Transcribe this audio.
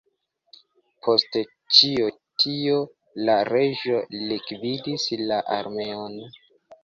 Post ĉi tio, la reĝo likvidis la armeon.